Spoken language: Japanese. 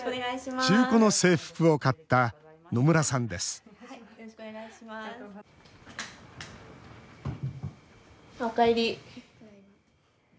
中古の制服を買った野村さんですおかえり。